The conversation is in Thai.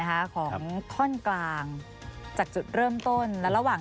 ใช่พวกเดียวกัน